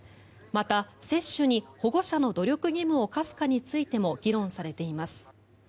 また、接種に保護者の努力義務を課すかについても議論されています。